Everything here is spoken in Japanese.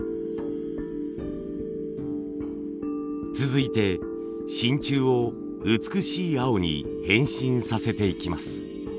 続いて真鍮を美しい青に変身させていきます。